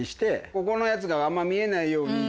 ここのやつがあんま見えないように。